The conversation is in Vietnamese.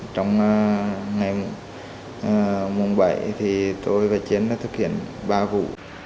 trong ngày mùng bảy tôi và chiến đã thực hiện ba vụ